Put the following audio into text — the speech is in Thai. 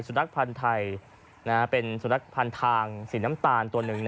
นักพันธ์ไทยเป็นสุนัขพันธ์ทางสีน้ำตาลตัวหนึ่ง